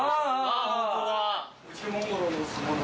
ホントだ。